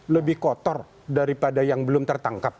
lebih kotor daripada yang belum tertangkap